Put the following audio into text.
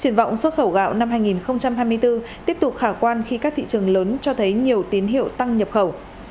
triển vọng xuất khẩu gạo năm hai nghìn hai mươi bốn tiếp tục khả quan khi các thị trường lớn cho thấy nhiều tín hiệu tăng nhập khẩu